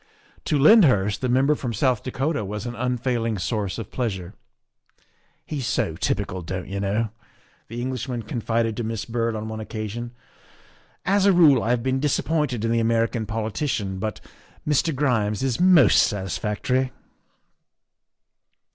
To Lyndhurst the Member from South Dakota was an unfailing source of pleasure. " He's so typical, don't you know," the Englishman confided to Miss Byrd on one occasion ;" as a rule I have been disappointed in the American politician, but Mr. Grimes is most satisfactory."